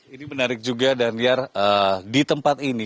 ini menarik juga daniar di tempat ini